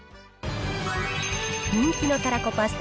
人気のたらこパスタ